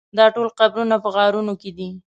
دا ټول قبرونه په غارونو کې دي.